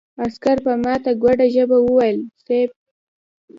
عسکر په ماته ګوډه ژبه وويل: صېب!